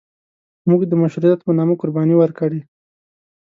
موږ د مشروطیت په نامه قرباني ورکړې.